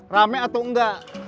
rame atau enggak